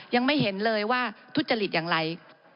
ยังไม่เห็นเลยว่าทุจริตอย่างไร